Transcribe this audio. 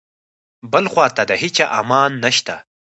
بل خواته د هیچا امان نشته.